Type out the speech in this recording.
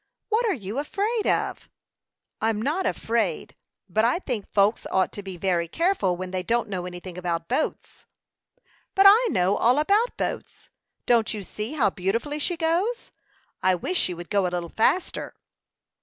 "What are you afraid of?" "I'm not afraid; but I think folks ought to be very careful when they don't know anything about boats." "But I know all about boats. Don't you see how beautifully she goes? I wish she would go a little faster."